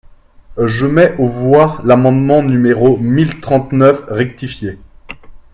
Je mets aux voix l’amendement numéro mille trente-neuf rectifié.